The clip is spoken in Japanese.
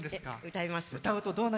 歌います。